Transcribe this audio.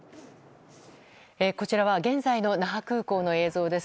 こちらは現在の那覇空港の映像です。